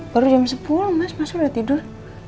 baru jam sepuluh mas mas udah tidur